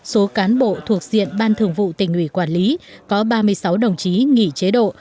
số cán bộ thuộc diện ban thường vụ tỉnh ủy quản lý có ba mươi sáu đồng chí nghỉ chế độ